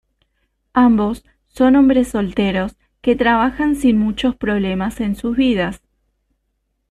Ambos son hombres solteros que trabajan sin muchos problemas en sus vidas.